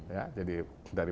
ya jadi dari